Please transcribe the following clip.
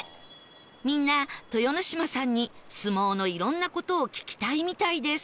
みんな豊ノ島さんに相撲のいろんな事を聞きたいみたいです